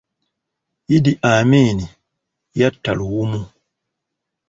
Idi Amin yatta Luwum.